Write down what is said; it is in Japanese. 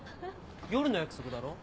夜の約束だろ？